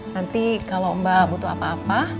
nanti kalau mbak butuh apa apa